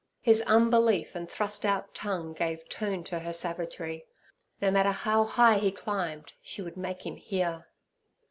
His unbelief and thrust out tongue gave tone to her savagery. No matter how high he climbed, she would make him hear.